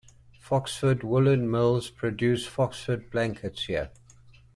Foxford Woollen Mills produce Foxford blankets here.